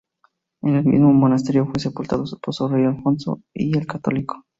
En el mismo monasterio fue sepultado su esposo, el rey Alfonso I el Católico.